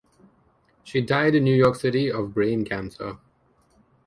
She died in New York City of brain cancer.